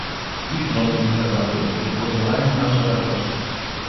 Ich rządy wykazały, że podzielają nasze wartości